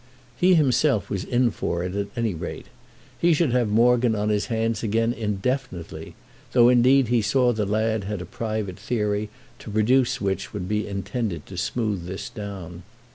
He himself was in for it at any rate. He should have Morgan on his hands again indefinitely; though indeed he saw the lad had a private theory to produce which would be intended to smooth this down.